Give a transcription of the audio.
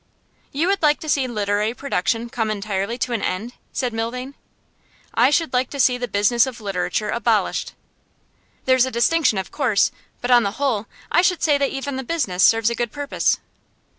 'You would like to see literary production come entirely to an end?' said Milvain. 'I should like to see the business of literature abolished.' 'There's a distinction, of course. But, on the whole, I should say that even the business serves a good purpose.